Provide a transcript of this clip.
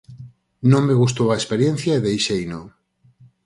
Non me gustou a experiencia e deixeino.